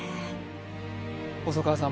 細川さん